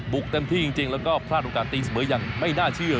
เต็มที่จริงแล้วก็พลาดโอกาสตีเสมออย่างไม่น่าเชื่อ